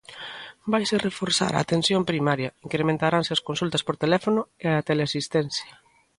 Vaise reforzar a Atención Primaria, incrementaranse as consultas por teléfono e a teleasistencia.